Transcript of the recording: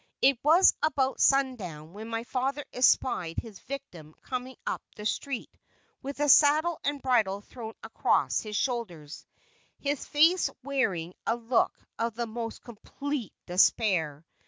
It was about sundown when my father espied his victim coming up the street with the saddle and bridle thrown across his shoulders, his face wearing a look of the most complete despair.